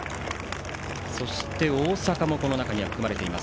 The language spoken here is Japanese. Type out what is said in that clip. そして、大阪もこの中に含まれています。